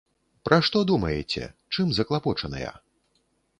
Пра што думаеце, чым заклапочаныя?